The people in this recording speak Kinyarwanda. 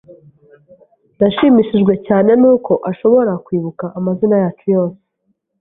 Nashimishijwe cyane nuko ashobora kwibuka amazina yacu yose.